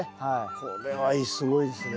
これはいいすごいですね。